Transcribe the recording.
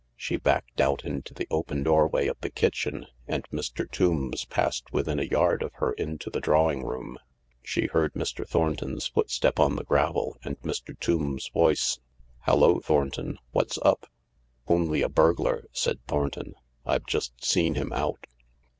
She backed out into the open doorway of the kitchen, and Mr. Tombs passed within a yard of her and into the drawing room. She heard Mr. Thornton's footstep on the gravel and Mr. Tombs' voice. " Hallo, Thornton. What's up ?"" Only a burglar," said Thornton. " I've just seen him out."